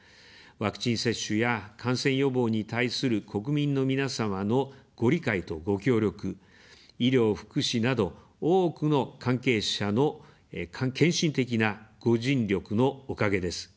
ワクチン接種や感染予防に対する国民の皆様のご理解とご協力、医療・福祉など、多くの関係者の献身的なご尽力のおかげです。